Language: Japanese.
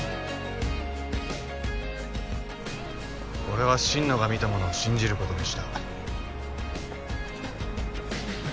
俺は心野が見たものを信じることにした。